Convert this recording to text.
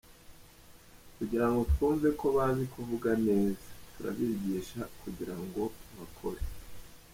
kugira ngo twumve ko bazi kuvuga neza? Turabigisha kugira ngo bakore!”.